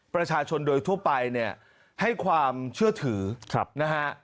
ประชาชนโดยทั่วไปเนี่ยให้ความเชื่อถือนะฮะ